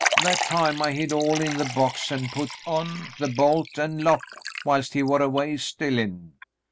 That time I hid all in the box an' put on the bolt an' lock whilst he war away 'stillin'.